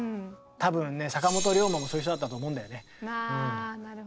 多分ね坂本龍馬もそういう人だったと思うんだよね。